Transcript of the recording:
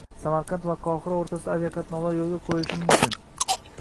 Samarqand va Qohira o‘rtasida aviaqatnovlar yo‘lga qo‘yilishi mumkinng